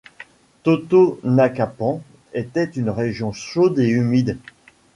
Totonacapan était une région chaude et humide.